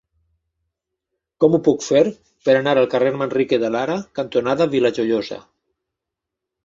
Com ho puc fer per anar al carrer Manrique de Lara cantonada Vila Joiosa?